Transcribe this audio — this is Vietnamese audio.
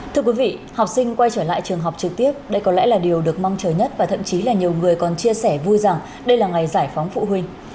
thưa quý vị học sinh quay trở lại trường học trực tiếp đây có lẽ là điều được mong chờ nhất và thậm chí là nhiều người còn chia sẻ vui rằng đây là ngày giải phóng phụ huynh